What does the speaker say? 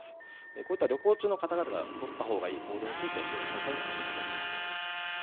こういった旅行中の方々がとったほうがいい行動についてより詳細に教えてください。